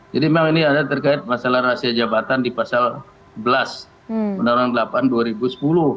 jadi memang ini ada terkait masalah rahasia jabatan di pasal sebelas menurut delapan dua ribu sepuluh